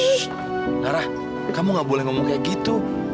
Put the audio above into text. shhh lara kamu gak boleh ngomong kayak gitu